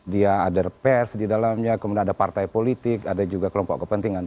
dia ada pers di dalamnya kemudian ada partai politik ada juga kelompok kepentingan